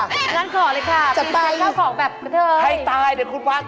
งั้นขอเลยค่ะไฟเข้าของแบบกะเท๋ย